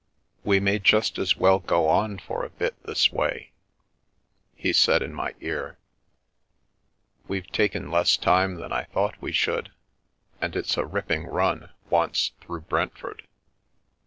" We may just as well go on for a bit this way," he said in my ear ;" we've taken less time than I thought we should, and it's a ripping run once through Brent ford.